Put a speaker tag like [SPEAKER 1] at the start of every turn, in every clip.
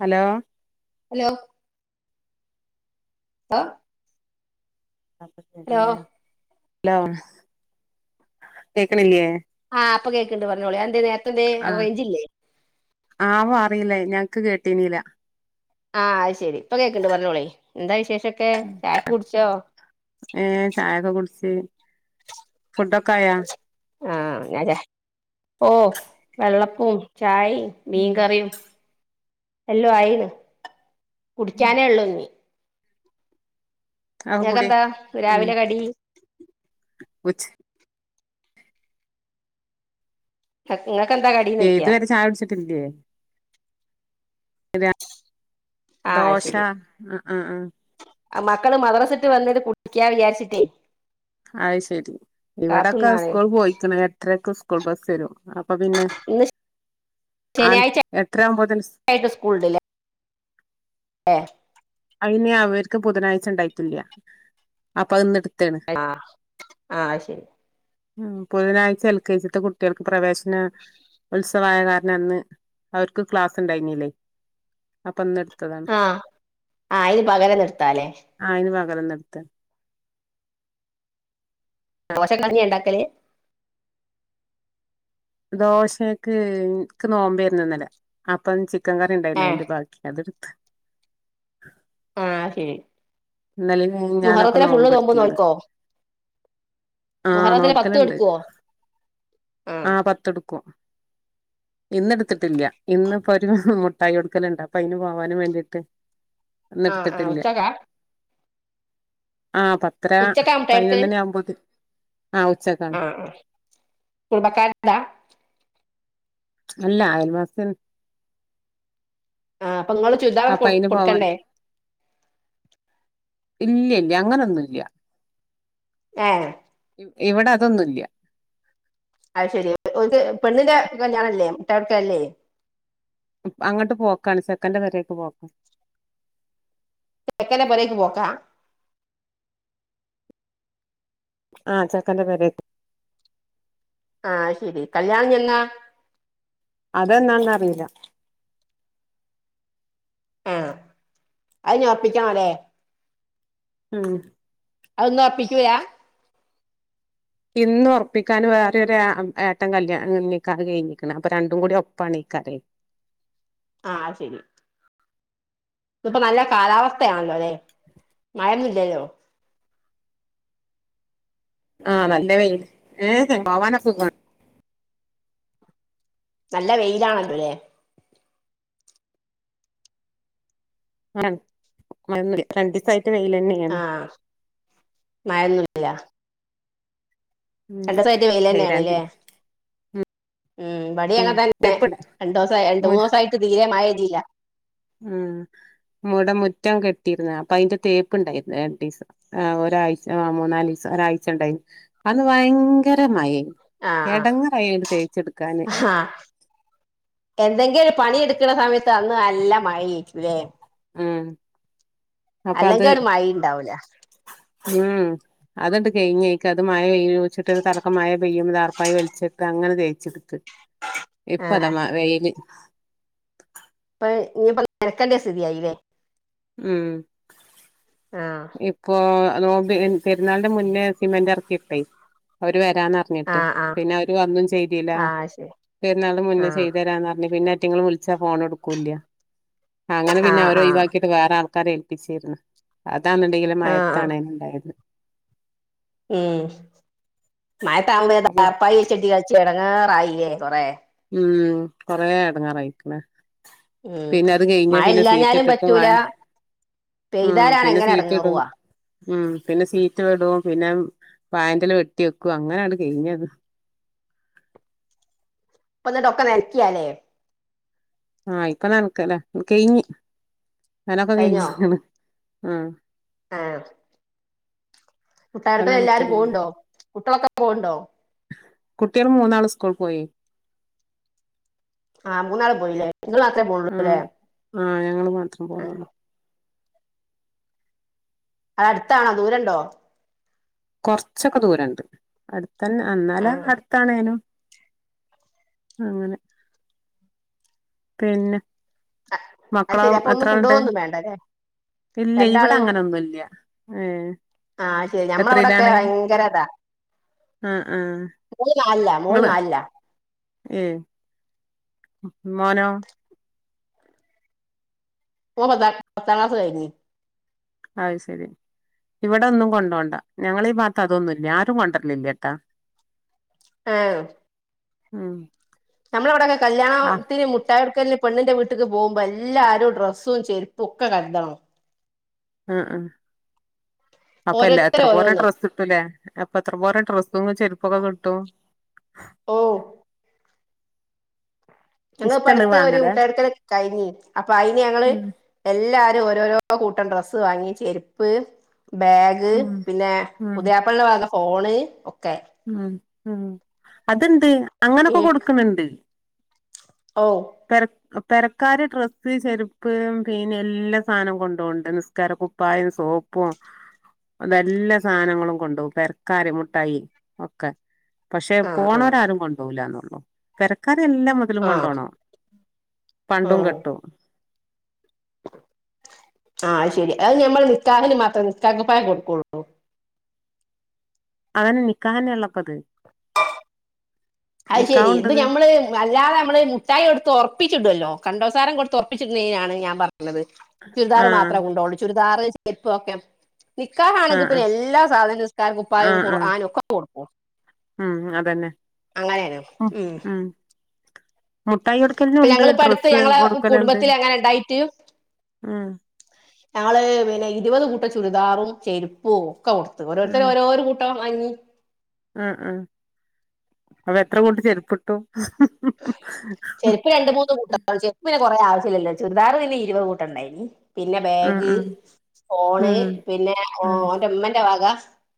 [SPEAKER 1] Hello
[SPEAKER 2] hello ലോ
[SPEAKER 1] hello കേക്ക്ണില്ല്യേ?
[SPEAKER 2] ആഹ് ഇപ്പ കേക്ക്ണ്ട് പറഞ്ഞോളി, അതെന്തേ നേരത്തെന്തേ
[SPEAKER 1] ആഹ്
[SPEAKER 2] റെയ്ഞ്ചില്ലേ?
[SPEAKER 1] ആവോ അറീല, ഞങ്ങക്ക് കേട്ടീനീല
[SPEAKER 2] ആഹ് അത് ശരി. ഇപ്പൊ കേക്ക്ണ്ട് പറഞ്ഞോളീ. എന്താ വിശേഷൊക്കെ, ചായൊക്കെ കുടിച്ചോ?
[SPEAKER 1] ഏഹ് ചായൊക്കെ കുട്ച്ച്, ഫുഡ്ഡൊക്കായാ?
[SPEAKER 2] ആഹ് ഞാചാ ഓഹ് വെള്ളപ്പും ചായിം മീൻ കറിം എല്ലോം ആയീണ്. കുടിക്കാനേ ഒള്ളൂ ഞ്ഞ്
[SPEAKER 1] അതൊക്കെ കൂടി
[SPEAKER 2] ങ്ങക്കെന്താ രാവിലെ കടി?
[SPEAKER 1] ഉച്ച്
[SPEAKER 2] [unintelligible] ഇങ്ങക്കെന്താ കടി?
[SPEAKER 1] ഏഹ് ഇതുവരെ ചായ കുട്ച്ചിട്ടില്ലേ? [unintelligible]
[SPEAKER 2] ആ
[SPEAKER 1] ദോശ
[SPEAKER 2] ശരി
[SPEAKER 1] അ ആഹ് ആഹ്
[SPEAKER 2] മക്കള് മദ്രസ്ട്ട് വന്നിട് കുടിക്കാ വിചാര്ച്ച്ട്ടേ
[SPEAKER 1] അത് ശെരി. ഇവിടൊക്കെ
[SPEAKER 2] കാത്തുന്നാണ്
[SPEAKER 1] സ്കൂൾ പോയിക്ക്ണ് എട്ടരക്ക് സ്കൂൾ ബസ്സെരും, അപ്പൊ പിന്നെ
[SPEAKER 2] ഇന്ന്
[SPEAKER 1] ആ
[SPEAKER 2] ശനിയാഴ്ച [unintelligible]
[SPEAKER 1] എട്ടര ആവുമ്പോത്തിന്
[SPEAKER 2] യിട്ട് സ്കൂളുണ്ട്ലെ ലേ
[SPEAKER 1] അയ്ന് അവര്ക്ക് ബുധനാഴ്ച ണ്ടായ്ട്ടില്ല അപ്പതിന്നെടുത്തേണ്
[SPEAKER 2] ആ ശരി
[SPEAKER 1] ഉം ബുധനാഴ്ച്ച എൽ കെ ജി ത്തെ കുട്ടികൾക്ക് പ്രവേശന ഉൽസ വായ കാരണം അന്ന് അവർക്ക് ക്ലാസ് എണ്ടായ്ന്നില്ലേ അപ്പൊ അന്നെടുത്തതാ
[SPEAKER 2] ആഹ് അയ്ന് പകലന്നെടുത്താല്ലേ
[SPEAKER 1] ആഹ് അന്ന് പകലന്നെടുത്ത
[SPEAKER 2] ദോശെ കഞ്ഞിയ എണ്ടാക്കല്
[SPEAKER 1] ദോശക്ക് നിക്ക് നോമ്പാരുന്നിന്നലെ അപ്പൊ ചിക്കൻ കറി
[SPEAKER 2] ഏ
[SPEAKER 1] ഇണ്ടായീന്നയ്ന്റെ ബാ ‌ക്കി അതെടുത്ത്
[SPEAKER 2] ആഹ് ശരി
[SPEAKER 1] ഇന്നലേം മിനിഞ്ഞാന്നൊക്കെ
[SPEAKER 2] മുഹറത്തിലെ ഫുള്ള് നോമ്പ്
[SPEAKER 1] നോമ്പെടുത്തീന്ന്
[SPEAKER 2] നോൽക്കോ
[SPEAKER 1] ആഹ്
[SPEAKER 2] മുഹറത്തിലെ പത്തും
[SPEAKER 1] നോൽക്കലെണ്ട്
[SPEAKER 2] എടുക്കുവോ
[SPEAKER 1] ആഹ് പത്തെടുക്കും ഇന്നെടുത്തിട്ടില്ല ഇന്നിപ്പൊ ഒരു മുട്ടായി കൊടുക്കലെണ്ട് അപ്പൊ അയ്ന് പോവാനും വേണ്ടീട്ട്
[SPEAKER 2] [inaudible] ആഹ്
[SPEAKER 1] ഇന്നെടുത്തിട്ടില്ല
[SPEAKER 2] ഉച്ചക്കാ
[SPEAKER 1] ആഹ് പ ത്തരാ
[SPEAKER 2] ഉച്ചക്കാ മുട്ടായി എടുക്കല്
[SPEAKER 1] പതിനൊന്നണി ആവുമ്പത് ആഹ് ഉച്ച
[SPEAKER 2] ആഹ് കുടുംബക്കാരിടെതാ
[SPEAKER 1] അല്ല അയൽവാസിയാണ്
[SPEAKER 2] ആഹ് അപ്പൊ നിങ്ങള് ചുരിദാറൊക്കെ
[SPEAKER 1] അപ്പൊ
[SPEAKER 2] കൊ
[SPEAKER 1] അയിന് പോവാൻ
[SPEAKER 2] കൊടുക്കണ്ടേ
[SPEAKER 1] ഇല്ലേ ഇല്ല അങ്ങനൊന്നു ഇല്ല
[SPEAKER 2] ഏഹ്
[SPEAKER 1] ഇവിടതൊന്നും ഇല്ല്യ
[SPEAKER 2] അത് ശരി ഓരിത് പെണ്ണിന്റെ കല്ല്യാണല്ലേ മുട്ടായ് കൊടുക്കലല്ലേ
[SPEAKER 1] അങ്ങട്ട് പോക്കാണ് ചെക്കൻ്റെ പെരേക്ക് പോക്കാണ്
[SPEAKER 2] ചെക്കൻ്റെ പെരേക്ക് പോക്കാ
[SPEAKER 1] ആഹ് ചെക്കന്റെ പെരേ
[SPEAKER 2] ആഹ് ശരി കല്യാണം ഇനി എന്നാ
[SPEAKER 1] അതെന്നാണന്നറിയില്ല
[SPEAKER 2] ആഹ് അതിനി ഒറപ്പിക്കണം അല്ലേ
[SPEAKER 1] ഉം
[SPEAKER 2] അതിന്ന് ഒറപ്പിക്കൂല്ലാ
[SPEAKER 1] ഇന്ന് ഒറപ്പിക്കാന് വേറീയൊര് ആഹ് ഏട്ടൻ കല്യാണം നിക്കാഹ് കഴിഞ്ഞിക്ക്ണ് അപ്പൊ രണ്ടുംകൂടി ഒപ്പാണെയ്ക്കാരെയ്‌
[SPEAKER 2] ആഹ് ശെരി ഇന്നിപ്പൊ നല്ല കാലാവസ്ഥയാണല്ലോ അല്ലേ മഴയൊന്നു ഇല്ലല്ലോ
[SPEAKER 1] ആഹ് നല്ല വെയില് ഏഹ് പോവാനോ സുഗാ
[SPEAKER 2] നല്ല വെയിലാണല്ലോലിലെ
[SPEAKER 1] [unintelligible] രണ്ടീസായിട്ട് വെയ്ലന്നെ
[SPEAKER 2] ആഹ് മഴയൊന്നുല്ല
[SPEAKER 1] ഉം
[SPEAKER 2] രണ്ടീസായിട്ട് വെയ്ലെന്നെ
[SPEAKER 1] ഏഹ്
[SPEAKER 2] ആണില്ലേ
[SPEAKER 1] രണ്ടീ
[SPEAKER 2] ഉം ഇവടീം
[SPEAKER 1] ഉം
[SPEAKER 2] അങ്ങെനതന്നെ
[SPEAKER 1] എപ്പട
[SPEAKER 2] രണ്ടൂസായി രണ്ട്
[SPEAKER 1] മു
[SPEAKER 2] മൂന്നൂസായിട്ട് തീരെ മഴയില്ല
[SPEAKER 1] ഉം ഇവടെ മുറ്റം കെട്ടിയിര്ന്ന് അപ്പൊ അയ്ന്റെ തേപ്പ് ഇണ്ടായ്ര്ന്നു രണ്ടീസം ആഹ് ഒരായ്ച്ച ആഹ് മൂന്നാലീസം ഒരായ്ച്ച ഇണ്ടായ്ന്നു അന്ന് ഭയങ്കര മയേയ്
[SPEAKER 2] ആഹ്
[SPEAKER 1] എടങ്ങേറായി അത് തേച്ചെട്ക്കാന്
[SPEAKER 2] ആഹ് എന്തെങ്കി ഒരു പണിയെട്ക്ക്‌ണ സമയത്ത് അന്ന് നല്ല മഴേയ്ര്ക്കൂല്ലേ?
[SPEAKER 1] ആഹ്
[SPEAKER 2] അല്ലെങ്കി ഒരു മയീം ഇണ്ടാവൂലാ
[SPEAKER 1] ഉം അതട് കയ്ഞ്ഞേയ് ക്കത് മയ പെയ്യോച്ചിട്ട് ഒര്തലക്കെ മയ പെയ്യും ടാർപ്പായി വൽച്ചെട്ടങ്ങനെ തേയ്ച്ചെട്ത്ത്
[SPEAKER 2] ആഹ്
[SPEAKER 1] ഇപ്പതമ്മ വെയില്
[SPEAKER 2] ഇപ്പൊ ഇഞ്ഞി ഇപ്പ [unintelligible] സ്ഥിതി ആയില്ലേ
[SPEAKER 1] ഉം.
[SPEAKER 2] ആഹ്.
[SPEAKER 1] ഇപ്പോ എ നോമ്പ് പെര്ന്നാൾന്റെ മുന്നേ സിമെന്റ് എർക്കിട്ടെയ് അവര് വെരാന്നർ ഞ്ഞിട്ട്,
[SPEAKER 2] ആഹ് ആഹ്
[SPEAKER 1] പിന്നെ അവര് വന്നും ചെയ്തിലാ,
[SPEAKER 2] ആഹ് ശരി
[SPEAKER 1] പെര്ന്നാൾൻ്റെ മുന്നേ
[SPEAKER 2] ആഹ്
[SPEAKER 1] ചെയ്തെരാന്നർഞ്ഞ് പിന്നെ അറ്റിങ്ങള് വിൾ ച്ചാ ഫോണെട്ക്കൂല്ല്യ. അങ്ങനെ പിന്നെ
[SPEAKER 2] ആഹ്
[SPEAKER 1] അവരെ ഒയ്
[SPEAKER 2] ആഹ്
[SPEAKER 1] വാക്കീട്ട് വേറെ ആൾക്കാരെ ഏൽപ്പിച്ചിര്ന്ന്. അതാന്ന്ണ്ടെങ്കില്
[SPEAKER 2] ആഹ് ആഹ്
[SPEAKER 1] മയെത്താണേണ്ടായത്.
[SPEAKER 2] ഉം. മയത്താവുമ്പോ
[SPEAKER 1] അപ്പ
[SPEAKER 2] ദാർപ്പായി വെൽച്ചെട്ടികൾച്ചി എടങ്ങറായില്യേ കൊറേ.
[SPEAKER 1] ഉം. കൊറേ എടങ്ങാറകയിക്ക്‌ണ്.
[SPEAKER 2] ഉം
[SPEAKER 1] പിന്നെ അത് കെയ്ഞ്ഞ്
[SPEAKER 2] മഴ
[SPEAKER 1] പിന്നെ
[SPEAKER 2] ഇല്ലാഞ്ഞാലും
[SPEAKER 1] സീറ്റ്ട്ട്ട്ട് വാ
[SPEAKER 2] പറ്റൂല
[SPEAKER 1] ഉം,
[SPEAKER 2] പെയ്താലാണ്
[SPEAKER 1] പിന്നെ
[SPEAKER 2] എങ്ങനെ
[SPEAKER 1] സീറ്റ്ടും.
[SPEAKER 2] എടങ്ങേറുവാ
[SPEAKER 1] ഉം, പിന്നെ സീറ്റ്ടും പിന്നെ വായന്റെല വെട്ട്യക്കും അങ്ങനണ്ട് കെയ്ഞ്ഞ്ണ്.
[SPEAKER 2] പ്പന്നട്ട് ഒക്കെ നെൽക്ക്യാലെ.
[SPEAKER 1] ആഹ്, ഇപ്പൊ നൻക്കലാ കെയ്ഞ്ഞി. നനൊക്കെ
[SPEAKER 2] കഴിഞ്ഞോ
[SPEAKER 1] കെയ്ഞ്ഞ്ണ്. ആഹ്
[SPEAKER 2] ആഹ്.
[SPEAKER 1] ഇപ്പൊ
[SPEAKER 2] മുട്ടായൊട്ക്കലെല്ലാരും
[SPEAKER 1] നനക്കലില്ല
[SPEAKER 2] പോവ്ണ്ടോ? കുട്ട്യളൊക്കെ പോവ്ണ്ടോ?
[SPEAKER 1] കുട്ട്യള് മൂന്നാള് സ്കൂൾ പോയി.
[SPEAKER 2] ആഹ്, മൂന്നാള് പോയീലെ. ഇങ്ങള് മാത്രേ
[SPEAKER 1] ആഹ്
[SPEAKER 2] പോവോള്ളൂലെ?
[SPEAKER 1] ആഹ്, ഞങ്ങള് മാത്രം പോണൊള്ളൂ.
[SPEAKER 2] അതട്ത്താണോ ദൂരണ്ടോ?
[SPEAKER 1] കൊർച്ചൊക്കെ ദൂരണ്ട്, അട്ത്തെന്നെ ആഹ്, ന്നാല
[SPEAKER 2] ആ
[SPEAKER 1] അ താണേനും, അങ്ങനെ പിന്നെ,
[SPEAKER 2] അത്
[SPEAKER 1] മക്കളോ
[SPEAKER 2] ശരി അപ്പൊ ഒന്നും
[SPEAKER 1] എത്രാൾണ്ട്?
[SPEAKER 2] കൊണ്ടുപോകൊന്നും വേണ്ട അല്ലേ
[SPEAKER 1] ഇല്ലെയ് ഇവടെ
[SPEAKER 2] രണ്ടാള്
[SPEAKER 1] അങ്ങനൊന്നുല്ല്യ. ഏഹ്
[SPEAKER 2] ആഹ് ശെരി. ഞമ്മളവടൊക്കെ
[SPEAKER 1] എത്രയിലാണ്
[SPEAKER 2] വയങ്കരതാ.
[SPEAKER 1] ആഹ് ആഹ്
[SPEAKER 2] [unintelligible] നാൽല മോള് നാൽല.
[SPEAKER 1] ഉം മോനോ?
[SPEAKER 2] ഓൻ പത്താ പത്താ ക്ലാസ്സ്‌ കയ്ഞ്ഞി.
[SPEAKER 1] അഹ് ശെരി. ഇവിടൊന്നും കൊണ്ടോണ്ട. ഞങ്ങളീ ഭാത്തതൊന്നുല്ല്യ. ആരും കൊണ്ടര്‌ലില്ല്യ ട്ടാ.
[SPEAKER 2] ഏഹ്.
[SPEAKER 1] ഉം.
[SPEAKER 2] ഞമ്മളെവടൊക്കെ കല്ല്യാണം
[SPEAKER 1] ആഹ്
[SPEAKER 2] ത്തിന് മുട്ടായൊട്ക്കൽന് പെണ്ണ്ന്റെ വ്ട്ട്ക്ക് പോവുമ്പൊ എല്ലാരും ഡ്രസ്സും ചെര്പ്പുക്കെ കര്തണം.
[SPEAKER 1] ആഹ്, ആഹ് അപ്പ എല്ലാ എത്ര
[SPEAKER 2] ഓരോരുത്തര്
[SPEAKER 1] പോര
[SPEAKER 2] ഓരോന്ന്
[SPEAKER 1] ഡ്രസ് ട്ടൂലേ അപ്പൊ എത്ര പോരം ഡ്രസ്സും ചെരുപ്പൊക്കെ കിട്ടും.
[SPEAKER 2] ഓഹ്. ഞങ്ങൾ പ്പ
[SPEAKER 1] ഇഷ്ടള്ളത്
[SPEAKER 2] അട്ത്ത് ഒരു
[SPEAKER 1] വാങ്ങലാ
[SPEAKER 2] മുട്ടായികൊട്ക്കലൊക്കെ കയിഞ്ഞി. അപ്പൊ അയിന് ഞങ്ങള്
[SPEAKER 1] ഉം
[SPEAKER 2] എല്ലാരും ഓരോരോ കൂട്ടം ഡ്രസ്സ് വാങ്ങി ചെര്പ്പ്, ബേഗ് [unintelligible]
[SPEAKER 1] ഉം
[SPEAKER 2] പിന്നെ
[SPEAKER 1] ഉം
[SPEAKER 2] പുതിയാപ്പൾൻ്റെ വക ഫോണ് ഒക്കെ
[SPEAKER 1] [unintelligible] അത്ണ്ട്, അങ്ങനൊക്കെ കൊട്ക്ക്ന്ന്ണ്ട്.
[SPEAKER 2] ഓഹ്
[SPEAKER 1] പെര പെരക്കാര് ഡ്രസ്സ്, ചെരുപ്പ് പിന്നെ എല്ലാ സാനം കൊണ്ടോവ്ണ്ട് നിസ്കാര കു പ്പായും സോപ്പും അതെല്ലാ സാനങ്ങളും കൊണ്ടോവും. പെര്ക്കാര് മുട്ടായി ഒക്കെ പഷെ
[SPEAKER 2] ആഹ് ആഹ്
[SPEAKER 1] പോണോരാരും കൊണ്ടോവൂലന്നൊള്ളു. പെരക്കാര് എല്ലാ മൊതലും
[SPEAKER 2] ആഹ്
[SPEAKER 1] കൊണ്ടോണം പണ്ടും
[SPEAKER 2] ഉം
[SPEAKER 1] കെട്ടും.
[SPEAKER 2] ആഹ് അയ്ശെരി. അയ് ഞമ്മള് നിക്കാഹിന് മാത്രേ നിസ്ക്കാരക്കുപ്പായം കൊട്ക്കൊള്ളൂ.
[SPEAKER 1] അതെന്നെ നിക്കാഹെന്നെള്ളപ്പത്.
[SPEAKER 2] അയ് ശെരി ഇത്
[SPEAKER 1] നിക്കാഹുണ്ടത്
[SPEAKER 2] ഞമ്മ്ള് അല്ലാതെ നമ്മള് മുഠായി കൊടുത്ത് ഉറപ്പിച്ചിടുല്ലോ കണ്ടോസാരം കൊടുത്ത്ുറപ്പിച്ചിടുന്നതിനാണ് ഞാൻ പറഞ്ഞത് ചുരിദാർ
[SPEAKER 1] ആഹ്
[SPEAKER 2] മാത്രമ കൊണ്ടോള്ളൂ ചുരിദാറ്, ചേരിപ്പൊക്കെ നിക്കാഹണെങ്കിൽ
[SPEAKER 1] ആഹ്
[SPEAKER 2] പിന്നെ എല്ലാ സാധന നിസ്ക്കാര കുപ്പായും
[SPEAKER 1] ആഹ് ആഹ്
[SPEAKER 2] കുറ്
[SPEAKER 1] ആഹ്
[SPEAKER 2] ആനും ഒക്കെ കൊടുക്കും.
[SPEAKER 1] ഉം അതന്നെ
[SPEAKER 2] അങ്ങനെയാണ്, ഉം
[SPEAKER 1] മുട്ടായി കൊടുക്കലും
[SPEAKER 2] ഇപ്പ
[SPEAKER 1] ഉണ്ട്
[SPEAKER 2] ഞങ്ങളിപ്പോ അടുത്ത്
[SPEAKER 1] ഡ്രസ്സ്
[SPEAKER 2] ഞങ്ങളെ
[SPEAKER 1] കൊടുക്കലുണ്ട്
[SPEAKER 2] കുടുംബത്തി എങ്ങനെ ഉണ്ടായിറ്റ്
[SPEAKER 1] ഉം
[SPEAKER 2] ഞങ്ങള് പിന്നെ ഇരുപത് കൂട്ട ചുരിദാറും ചെരുപ്പും ഒക്കെ കൊടുത്ത് ഓരോരുത്തര ഓരോ കൂട്ട ട്ടം വാങ്ങി
[SPEAKER 1] ആ ആ അപ്പൊ എത്ര കൂട്ടം ചെരുപ്പിട്ടു
[SPEAKER 2] ചെരിപ്പ് രണ്ട മൂന്ന് കൂട്ടം ചെരുപ്പ് പിന്നെ കുറെേ ആശ്യമില്ലല്ലോ ചുരിദാർ പിന്നെ ഇരുപത് കൂട്ട ഉണ്ടായിനി പിന്നെ
[SPEAKER 1] ഉം
[SPEAKER 2] ബാഗ്
[SPEAKER 1] ഉം
[SPEAKER 2] ഫോണ്
[SPEAKER 1] ഉം
[SPEAKER 2] പിന്നെ
[SPEAKER 1] ഉം
[SPEAKER 2] ഓൻ്റെ ഉമ്മന്റെ വക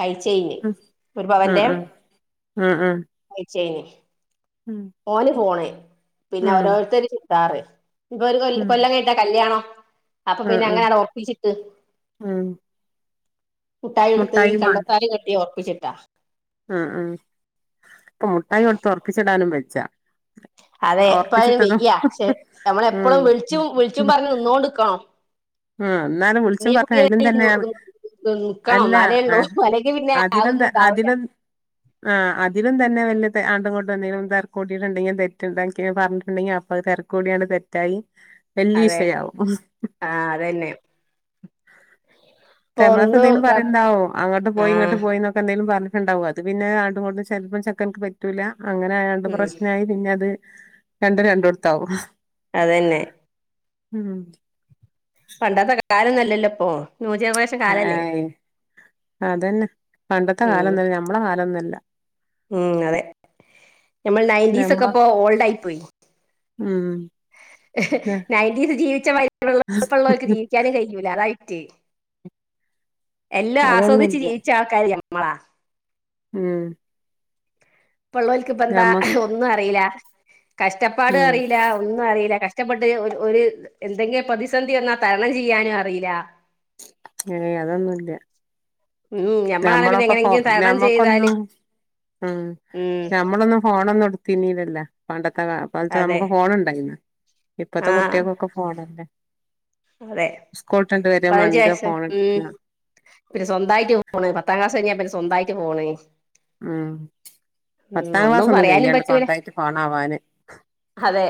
[SPEAKER 2] കൈചെയിൻ
[SPEAKER 1] ഉം
[SPEAKER 2] ഒരു
[SPEAKER 1] ഉം
[SPEAKER 2] പവന്റെ
[SPEAKER 1] ഉം ഉം ഉം ഉം
[SPEAKER 2] കൈചെയിൻ
[SPEAKER 1] ഉം
[SPEAKER 2] ഓന് ഫോണ് പിന്നെ ഓരോരുത്തര് ചുരിദാർ ഇപ്പര് കൊ
[SPEAKER 1] ഉം ഉം
[SPEAKER 2] കൊല്ലം കഴി ട്ടാ കല്യാണം അപ്പൊ പിന്നെ
[SPEAKER 1] ഉം
[SPEAKER 2] അങ്ങനെയാണ്ട് ഒറപ്പിച്ചിട്ട്.
[SPEAKER 1] ഉം
[SPEAKER 2] മുട്ടായി കെടുത്ത് ഈ
[SPEAKER 1] മുട്ടായിയും വാണ്ടേ
[SPEAKER 2] കണ്ടത്താലി കെട്ടി ഉറപ്പിച്ചിട്ടാ
[SPEAKER 1] ഉം ഉം ഇപ്പൊ മുട്ടായി കൊടുത്ത് ഉറപ്പിച്ചിടാനും വജ്ജ
[SPEAKER 2] അതെ ഇപ്പ അയിന്
[SPEAKER 1] ഒർപ്പിച്ചിട്ടതും
[SPEAKER 2] വെയ്യ പക്ഷെ
[SPEAKER 1] ഉ
[SPEAKER 2] നമ്മളെപ്പളും വിളിച്ചും വിളിച്ചും പറഞ്ഞ് നിന്നോണ്ട്ക്കണം
[SPEAKER 1] ആ എന്നാലും വിളിച്ചും
[SPEAKER 2] ഇന്നീ
[SPEAKER 1] പറഞ്ഞ
[SPEAKER 2] കുട്ടിയെ
[SPEAKER 1] അയലും തന്നെയാണ്
[SPEAKER 2] നിക്കണം
[SPEAKER 1] അല്ല
[SPEAKER 2] എന്നാലേ
[SPEAKER 1] ആ
[SPEAKER 2] ഉള്ളൂ അല്ലെങ്കി പിന്നെ അതൊന്നും
[SPEAKER 1] അതിലന്താ
[SPEAKER 2] ഉണ്ടാവൂല
[SPEAKER 1] അതില ആഹ് അതിലും തന്നെ വലിയ ആണ്ട് ങ്ങട്ടും എന്തെങ്കിലും തെരക്കൂട്ടയിട്ടുണ്ടെങ്കിൽ തെറ്റു താക്ക പറഞ്ഞിട്ടുണ്ടെങ്കിൽ അപ്പ അത് തെര കൂടിയാണ് തെറ്റായി
[SPEAKER 2] [inaudible]
[SPEAKER 1] വെല്ലീസയാവും
[SPEAKER 2] ആഹ അതന്നെ ഇപ്പൊ
[SPEAKER 1] തമാസ
[SPEAKER 2] ഒന്ന്
[SPEAKER 1] എന്തേിലും പറയണ്ടാവും അങ്ങോട്ട് പോയി ഇങ്ങട്ട്
[SPEAKER 2] ആഹ്
[SPEAKER 1] പോയി എന്നൊക്കെ എന്തെലും പറഞ്ഞിട്ടുണ്ടാവും അത് പിന്നെ ആണ്ടു ങ്ങോട്ടും ചെല്പ്പം ചെക്കനിക്ക് പറ്റൂല്ല അങ്ങനെ ആയാണ്ട്
[SPEAKER 2] ഉം
[SPEAKER 1] പ്രശ്നായി പിന്നെ അത് രണ്ടും രണ്ടിടത്ത് ആവും.
[SPEAKER 2] അതന്നെ
[SPEAKER 1] ഉം
[SPEAKER 2] പണ്ടത്തെ കാലം നല്ലല്ലോ ഓ
[SPEAKER 1] ആയീ അതന്നെ പണ്ടത്തെ
[SPEAKER 2] ഉം
[SPEAKER 1] കാലംതന്നെ ഞമ്മളെ കാലൊന്നുല്ല
[SPEAKER 2] ഉം അതെ ഞമ്മൾ നയൻ്റീസ് ഒക്കെ
[SPEAKER 1] ഞമ്മളെ
[SPEAKER 2] ഇപ്പോ ഓൾഡ് ആയി പോയി.
[SPEAKER 1] ഉം
[SPEAKER 2] നയൻറ്റീസ് ജീവിച്ച വയസുള്ളവർക്ക് ജീവിക്കാനും കഴിയൂ ല അതാവിറ്റ്എല്ലാം ആസ്വദിച്ച്
[SPEAKER 1] അതൊന്നുല്ല
[SPEAKER 2] ജീവീച്ച ആൾക്കാര് ഞമ്മളാ
[SPEAKER 1] ഉം
[SPEAKER 2] ഇപ്പോള്ളർക്ക് ഇപ്പ എന്താ
[SPEAKER 1] ഞമ്മക്ക്
[SPEAKER 2] ഒന്നും അറിയില്ല കഷ്ടപ്പാട്
[SPEAKER 1] ഉം
[SPEAKER 2] അറീല്ല ഒന്നും അറിയില്ല കഷ്ടപ്പെട്ട് ഒരു എന്തെങ്കിലും പ്രതിസന്ധി വന്നാ തരണം ചെയ്യാനും അറിയില്ല.
[SPEAKER 1] എയ് അതൊന്നും ഇല്ല
[SPEAKER 2] ഉം ഞമ്മളാണെ പിന്നെ
[SPEAKER 1] ഞമ്മളൊക്കെ പോ
[SPEAKER 2] എങ്ങനെങ്കിലും തരണം ചെയ്താല്
[SPEAKER 1] ഞമ്മക്കൊന്നും ഉം
[SPEAKER 2] ഉം
[SPEAKER 1] ഞമ്മളൊന്നും ഫോണൊന്നും എടുത്തന്നീലല്ല പണ്ടത്തെ കാലത്ത്
[SPEAKER 2] അതെ
[SPEAKER 1] നമുക്ക് ഫോണ ഉണ്ടായിന്ന് ഇപ്പഴത്തെ
[SPEAKER 2] ആഹ്
[SPEAKER 1] കുട്ടികൾക്ക് ഫോണല്ലേ
[SPEAKER 2] അതെ
[SPEAKER 1] സ്കൂള് ട്ടണ്ട് വരാ
[SPEAKER 2] പതിനഞ്ച്
[SPEAKER 1] മണ്ടാ
[SPEAKER 2] വയസ്സ്
[SPEAKER 1] ഫോൺ
[SPEAKER 2] ഉം
[SPEAKER 1] എടുക്ക
[SPEAKER 2] പിന്നെ സ്വന്തമായിട്ട് ഫോണ് പത്താം ക്ലാസ് കഴിഞ്ഞാ പിന്നെ സ്വന്തയിട്ട് ഫോണ്
[SPEAKER 1] ഉം പത്താം ക്ലാസ് ഒന്നും
[SPEAKER 2] പറയാനും
[SPEAKER 1] കഴിയണ്ട
[SPEAKER 2] പറ്റൂല
[SPEAKER 1] സ്വന്തായിട്ട് ഫോണ് ആവാന്
[SPEAKER 2] അതെ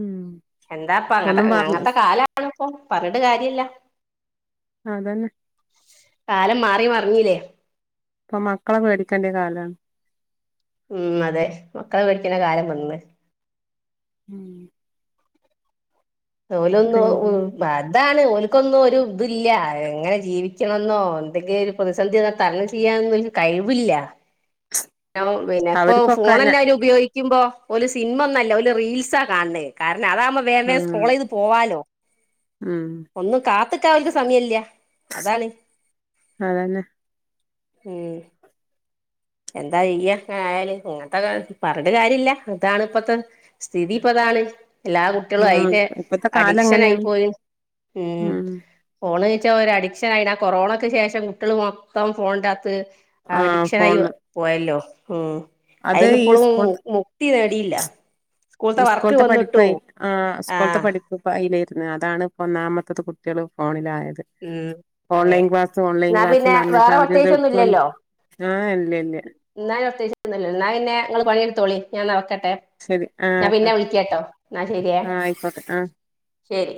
[SPEAKER 1] ഉം
[SPEAKER 2] എന്താ അപ്പ അങ്ങത്തെ
[SPEAKER 1] ഒന്നും പറഞ്ഞ
[SPEAKER 2] അങ്ങത്തെ കാലണ് ഇപ്പൊ പറഞ്ഞിട്ട് കാര്യല്ല
[SPEAKER 1] അതന്നെ
[SPEAKER 2] കാലം മാറി മറിഞ്ഞിലേ?
[SPEAKER 1] ഇപ്പൊ മക്കളെ പേടിക്കേണ്ട കാലാ.
[SPEAKER 2] ഉം അതെ മക്കള പേടിക്കുന്ന കാലം വന്നു.
[SPEAKER 1] ഉം
[SPEAKER 2] ഓലൊന്ന്
[SPEAKER 1] പിന്നെ
[SPEAKER 2] ഉം അതാണ് ഓനിക്കൊന്നും ഒരു ഇതില്ല എങ്ങനെ ജീവിക്കണെന്നോ എന്തെങ്കിലും ഒരു പ്രതിസന്ധി വന്നാ തരണം ചെയ്യാന്ന് കഴിവില്ല. പിന്നെ ഇപ്പ ഫോൺ തന്നെ അവര് ഉപയോഗിക്ക രിക്കുമ്പോ ഒരു സിനിമ ഒന്നുംല്ല ഒരു റീൽസ് ആണ് കാണന്നേ കാരണം അതാകുമ്പോ വേഗം സ്കോള ചെയ്ത് പോവാലോ?
[SPEAKER 1] ആഹ്
[SPEAKER 2] ഒന്നും കാത്ത് നിൽക്കാ അവർക്ക് സമയില്ല അതാണ്.
[SPEAKER 1] അതന്നെ
[SPEAKER 2] ഉം എന്താ ചെയ്യാ ഇങ്ങനെ ആയാല് ഇങ്ങനത്തെ കാലത്ത് പറഞ്ഞട്ട് കാര്യംല്ല അതാണ് ഇപ്പത്തെ സ്ഥിതി ഇപ്പതാണ് എല്ലാ കുട്ടികള്
[SPEAKER 1] ഉം
[SPEAKER 2] അയിന്
[SPEAKER 1] ഇപ്പത്തെ കാലം
[SPEAKER 2] അഡിക്ഷൻ ആയി
[SPEAKER 1] അങ്ങനെയാണ്
[SPEAKER 2] പോയി ഉം ഫോണ് കച്ചാൽ ഒരു അഡിക്ഷൻ ആയിനൂ കൊറോണക്ക് ശേഷം കുട്ടികള് മൊത്തം ഫോണിന്റെ അകത്ത് ആ അഡിക്ഷന് ആയി പോയല്ലോ ഉം
[SPEAKER 1] അത്
[SPEAKER 2] അതിന്ന്
[SPEAKER 1] ഈ
[SPEAKER 2] ഇപ്പോളും
[SPEAKER 1] സ്കൂൾ
[SPEAKER 2] മുക്തി നേടിയില്ല. സ്കൂളത്തെ
[SPEAKER 1] ഈ
[SPEAKER 2] വർക്ക്
[SPEAKER 1] സ്കൂൾത്തെ
[SPEAKER 2] വന്നിട്ടു
[SPEAKER 1] പഠിപ്പ് ആ സ്കൂൾത്തെ
[SPEAKER 2] ആഹ്
[SPEAKER 1] പഠിപ്പ് ദുബായിലായിരുന്നു അതാണ് ഇപ്പ ഒന്നാമത്തത് കുട്ടികൾ ഫോണിലായത്.
[SPEAKER 2] ഉം അതെ
[SPEAKER 1] ഓൺലൈൻ ക്ലാസ് ഓൺലൈൻ
[SPEAKER 2] എന്നാ
[SPEAKER 1] ക്ലാസ്
[SPEAKER 2] പിന്നെ
[SPEAKER 1] എന്ന് പറഞ്ഞിട്ട്
[SPEAKER 2] വേറെ
[SPEAKER 1] അവരത്
[SPEAKER 2] പ്രത്യേകിച്ചൊന്നും
[SPEAKER 1] ആഹ് ഇല്ല ഇല്ലേ
[SPEAKER 2] ഞാൻ പ്രത്യേകില്ലോഞാന്നെ നിങ്ങള് പണിയെടുത്തോളി ഞാൻ വെക്കട്ടെ?
[SPEAKER 1] ശരി ആ
[SPEAKER 2] ഞാൻ പിന്നെ വിളിക്കട്ടോ എന്നാ ശരിയാ
[SPEAKER 1] ആ ആയിക്കോട്ടെ ആ
[SPEAKER 2] ശരി